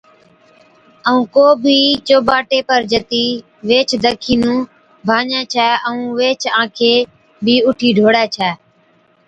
ائُون ڪو بِي چو باٽي پر جتِي ويھِچ دکِي نُون ڀانڃَي ڇَي ائُون ويھِچ آنکي بِي اُٺِيچ ڍوڙَي ڇَي